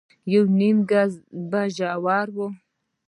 يونيم ګز به ژور و.